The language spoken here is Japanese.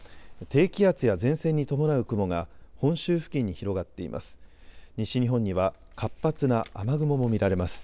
低気圧や前線に伴う雲が本州付近に広がっています。